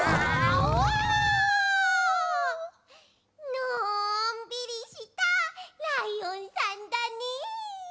のんびりしたライオンさんだね。